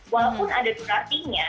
walaupun ada durasinya